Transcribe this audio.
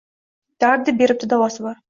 Dard beribdi, davosi bor